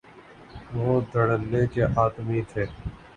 وہ دھڑلے کے آدمی تھے۔